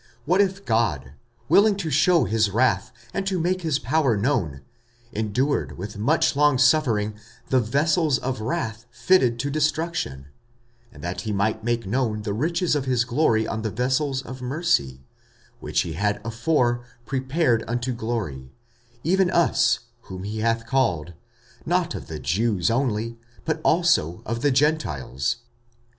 45:009:022 What if God, willing to shew his wrath, and to make his power known, endured with much longsuffering the vessels of wrath fitted to destruction: 45:009:023 And that he might make known the riches of his glory on the vessels of mercy, which he had afore prepared unto glory, 45:009:024 Even us, whom he hath called, not of the Jews only, but also of the Gentiles?